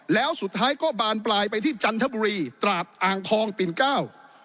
แล้วสุดท้ายก็บานปลายไปที่จันทบุรีตราดอ่างทองปิ่นเก้า